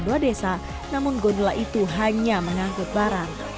dua desa namun godela itu hanya mengangkut barang